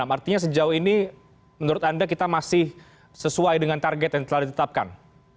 artinya sejauh ini menurut anda kita masih sesuai dengan target yang telah ditetapkan